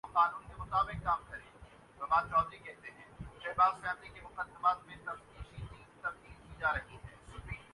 اپنی ذات کو کم تر سمجھتا ہوں